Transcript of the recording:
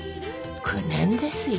９年ですよ。